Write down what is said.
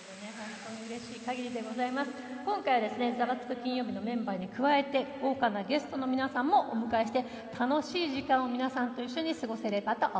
金曜日』のメンバーに加えて豪華なゲストの皆さんもお迎えして楽しい時間を皆さんと一緒に過ごせればと思っております。